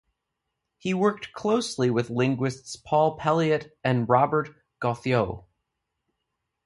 He worked closely with linguists Paul Pelliot and Robert Gauthiot.